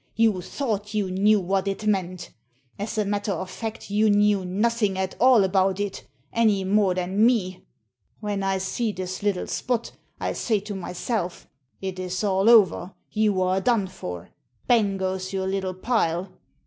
You thought you knew what it meant As a matter of fact, you knew nothing at all about it, any more than me. When I see this little spot, I say to myself, * It is all over. You are done for. Bang goes your little pile.'